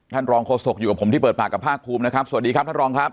รองโฆษกอยู่กับผมที่เปิดปากกับภาคภูมินะครับสวัสดีครับท่านรองครับ